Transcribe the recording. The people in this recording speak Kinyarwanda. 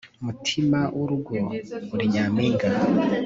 mutimawurugo uri nyampinga